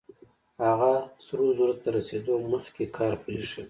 هغه سرو زرو ته تر رسېدو مخکې کار پرېښی و.